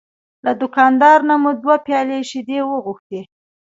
له دوکاندار نه مو دوه پیالې شیدې وغوښتې.